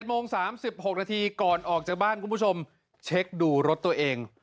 โมง๓๖นาทีก่อนออกจากบ้านคุณผู้ชมเช็คดูรถตัวเอง